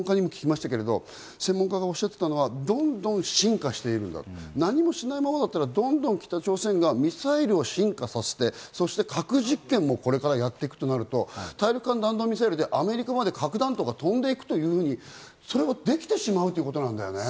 専門家にも先ほど聞きましたが、どんどん進化している、何もしないままだったら、どんどん北朝鮮がミサイルを進化させて核実験もこれからやっていくとなると、大陸間弾道ミサイルでアメリカまで核弾道が飛んでいくというふうにできてしまうってことだよね。